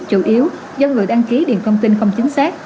chủ yếu do người đăng ký điện thông tin không chính xác